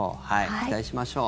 期待しましょう。